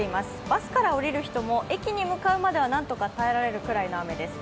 バスから降りる人も駅に向かうまではなんとか耐えられるくらいです。